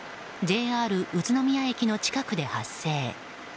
ＪＲ宇都宮駅の近くで発生。